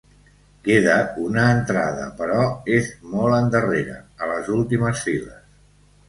Queda una entrada, però és molt endarrere, a les últimes files.